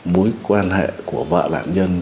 mối quan hệ của vợ nạn nhân